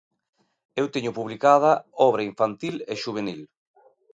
Eu teño publicada obra infantil e xuvenil.